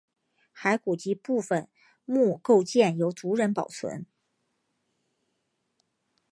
骸骨及部分墓构件由族人保存。